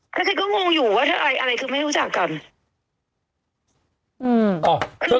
แล้วฉันก็งงอยู่ว่าเธออะไรอะไรคือไม่รู้จักกันอืมอ๋อ